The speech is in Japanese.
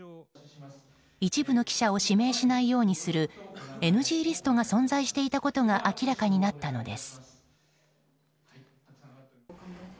一部の記者を指名しないようにするＮＧリストが存在していたことが明らかになったのです。